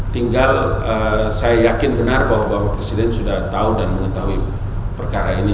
tinggal saya yakin benar bahwa bapak presiden sudah tahu dan mengetahui perkara ini